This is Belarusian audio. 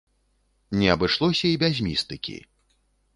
Не абышлося і без містыкі.